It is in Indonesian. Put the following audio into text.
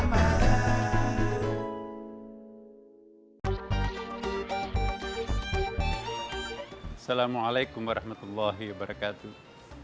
assalamualaikum warahmatullahi wabarakatuh